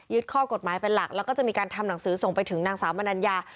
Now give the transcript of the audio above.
ข้อกฎหมายเป็นหลักแล้วก็จะมีการทำหนังสือส่งไปถึงนางสาวมนัญญา